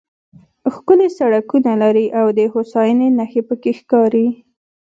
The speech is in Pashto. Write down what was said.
ښکلي سړکونه لري او د هوساینې نښې پکې ښکاري.